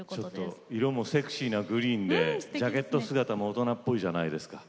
ちょっと色もセクシーなグリーンでジャケット姿も大人っぽいじゃないですか。